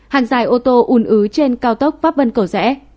hàng dài ô tô ủn ứ trên cao tốc pháp vân cổ rẽ